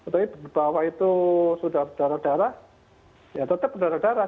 tapi bahwa itu sudah berdarah darah ya tetap berdarah darah